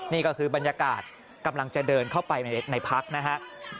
นี่ก็คือบรรยากาศกำลังจะเดินเข้าไปในพักนะฮะ